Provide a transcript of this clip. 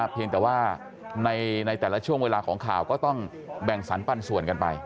เพียงแต่ว่าในแต่ละช่วงเวลาของข่าวก็ต้องแบ่งสรรปันส่วนกันไป